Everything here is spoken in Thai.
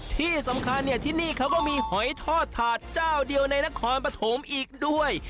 ที่สำคัญที่นี่ก็มีหอยทอดถาดเจ้าเดียวในนักความปภมอีกด้วย